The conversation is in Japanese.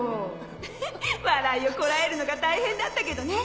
フフッ笑いをこらえるのが大変だったけどね！